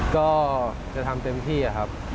ก็จะทำเต็มที่ครับ